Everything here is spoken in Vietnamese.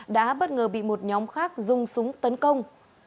đã bất ngờ bị một nhóm khác dùng súng tấn công